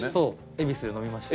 恵比寿で飲みました。